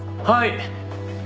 はい。